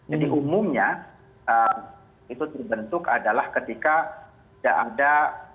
jadi umumnya itu dibentuk adalah ketika tidak ada